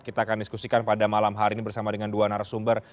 kita akan diskusikan pada malam hari ini bersama dengan dua narasumber